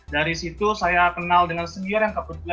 dari situ saya kenal dengan senior yang kebetulan